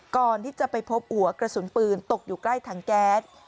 ก่อนที่จะไปพบหัวกระสุนปืนตกอยู่ใกล้ถังแก๊ส